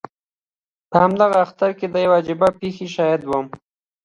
په همدغه اختر کې د یوې عجیبې پېښې شاهد وم.